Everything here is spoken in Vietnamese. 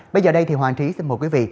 bây giờ đây thì hoàng trí xin mời quý vị